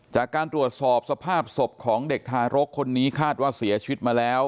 จากการตรวจสอบสภาพศพของเด็กทารกคนนี้คาดว่าเสียชีวิตมาแล้ว